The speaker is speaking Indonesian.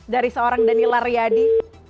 dari seorang danila riadi